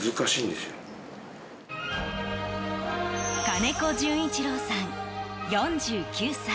金子淳一郎さん、４９歳。